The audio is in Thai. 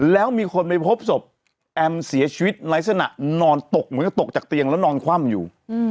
แล้วมีคนไปพบศพแอมเสียชีวิตในลักษณะนอนตกเหมือนกับตกจากเตียงแล้วนอนคว่ำอยู่